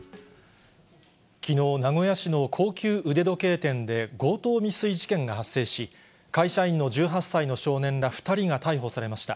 きのう、名古屋市の高級腕時計店で、強盗未遂事件が発生し、会社員の１８歳の少年ら２人が逮捕されました。